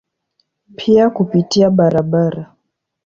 Pia kupitia barabara.